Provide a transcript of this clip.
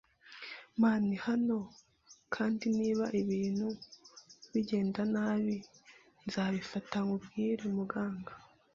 man hano, kandi niba ibintu bigenda nabi, nzabifata nkubwire muganga